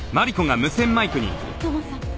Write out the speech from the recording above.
土門さん